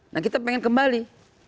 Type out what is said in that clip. nah kita pengen kembali